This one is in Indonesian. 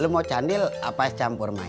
lu mau candil apa campur mai